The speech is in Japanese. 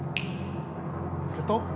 すると。